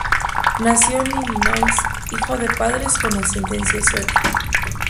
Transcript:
Nació en Illinois, hijo de padres con ascendencia sueca.